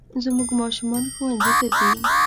زموږ ماشومان ښوونځي ته ځي